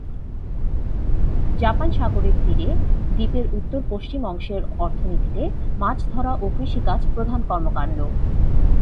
Japan সাগরের তীরে দ্বীপের উত্তর-পশ্চিম অংশের অর্থনীতিতে মাছ ধরা ও কৃষিকাজ প্রধান কর্মকাণ্ড।